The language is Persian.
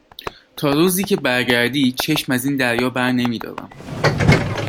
تا روزی که بر گردی چشم از این دریا برنمی دارم.